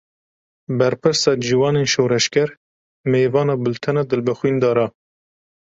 Berpirsa Ciwanên Şoreşger mêvana bultena Dilbixwîn Dara.